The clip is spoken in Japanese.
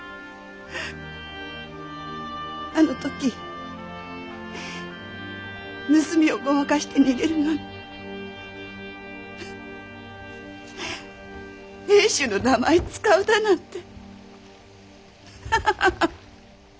あの時盗みをごまかして逃げるのに亭主の名前使うだなんて。